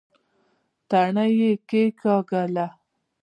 تڼۍ يې کېکاږله.